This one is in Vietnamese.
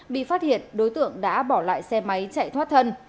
bị phát hiện đối tượng đã bỏ lại xe máy chạy thoát thân